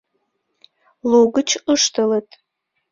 Лугыч ыштылыт.